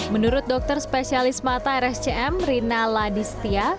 menurut dokter spesialis mata rscm rina ladistia